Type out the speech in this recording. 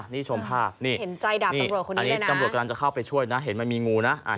นี่ชมภาพนี่อันนี้ตำรวจกำลังจะเข้าไปช่วยนะเห็นมันมีงูนะ